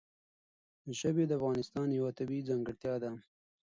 ژبې د افغانستان یوه طبیعي ځانګړتیا ده.